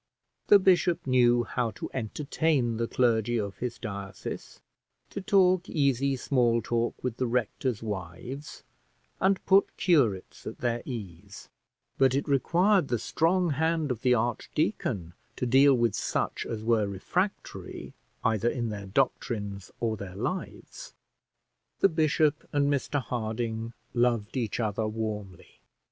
The bishop knew how to entertain the clergy of his diocese, to talk easy small talk with the rectors' wives, and put curates at their ease; but it required the strong hand of the archdeacon to deal with such as were refractory either in their doctrines or their lives. The bishop and Mr Harding loved each other warmly.